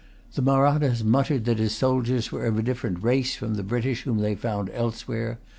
The Mahrattas muttered that his soldiers were of a different race from the British whom they found elsewhere.